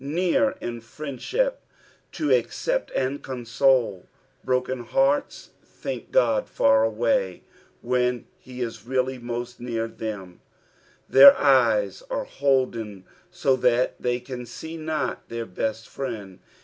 Near in friendship to accept and console. Broken hearts think God far away, when he is really most near them ; their eyes are liolden so that they see not their best friend.